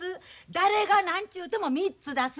誰が何ちゅうても３つだす。